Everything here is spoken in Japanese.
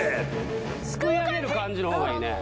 すくいあげる感じの方がいいね